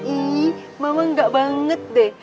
ih mama gak banget deh